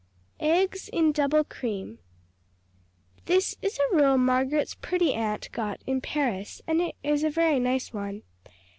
Eggs in Double Cream This is a rule Margaret's Pretty Aunt got in Paris, and it is a very nice one.